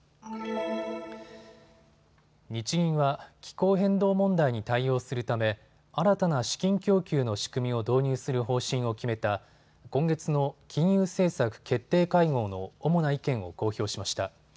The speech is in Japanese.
日銀は気候変動問題に対応するため新たな資金供給の仕組みを導入する方針を決めた今月の金融政策決定会合の主な意見を公表しました。